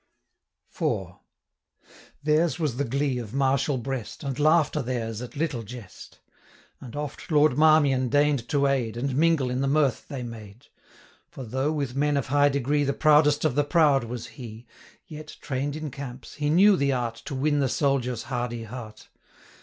IV. Theirs was the glee of martial breast, And laughter theirs at little jest; 65 And oft Lord Marmion deign'd to aid, And mingle in the mirth they made; For though, with men of high degree, The proudest of the proud was he, Yet, train'd in camps, he knew the art 70 To win the soldier's hardy heart.